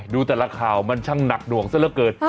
ดูแต่ละข่าวมันช่างหนักหน่วงซะละเกิน